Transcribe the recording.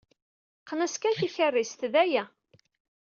Qqen-as kan tikerrist, d aya.